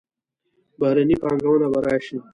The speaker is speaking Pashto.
بهرنۍ پانګونه به راشي.